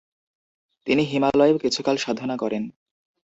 তিনি হিমালয়েও কিছুকাল সাধনা করেন।